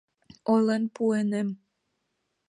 — Ойлен пуынем.